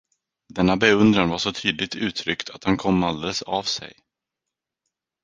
Denna beundran var så tydligt uttryckt, att han kom alldeles av sig.